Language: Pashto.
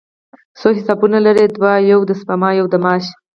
څو حسابونه لرئ؟ دوه، یو د سپما، یو د معاش